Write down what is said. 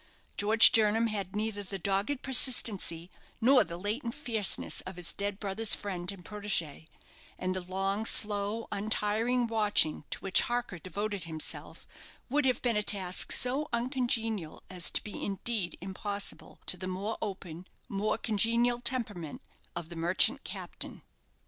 George Jernam had neither the dogged persistency nor the latent fierceness of his dead brother's friend and protégé; and the long, slow, untiring watching to which Harker devoted himself would have been a task so uncongenial as to be indeed impossible to the more open, more congenial temperament of the merchant captain.